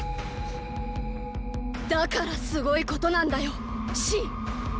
だからすごいことなんだよ信！